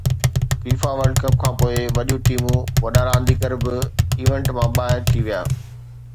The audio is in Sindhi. فيفا ورلڊ ڪپ کانپوءِ وڏيون ٽيمون، وڏا رانديگر به ايونٽ مان ٻاهر ٿي ويا